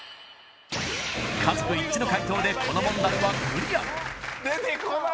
家族一致の解答でこの問題はクリア出てこない！